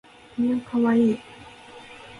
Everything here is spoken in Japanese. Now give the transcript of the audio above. new kawaii